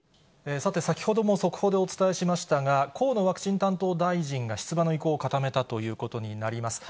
さて、先ほども速報でお伝えしましたが、河野ワクチン担当大臣が出馬の意向を固めたということになります。